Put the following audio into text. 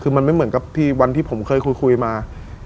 คือมันไม่เหมือนกับที่วันที่ผมเคยคุยมา